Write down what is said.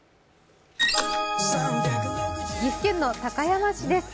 岐阜県の高山市です。